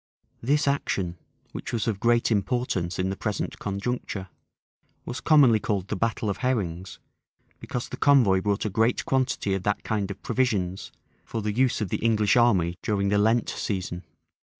This action, which was of great importance in the present conjuncture, was commonly called the battle of Herrings; because the convoy brought a great quantity of that kind of provisions, for the use of the English army during the Lent season.